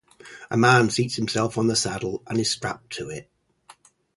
A man seats himself on the saddle and is strapped to it.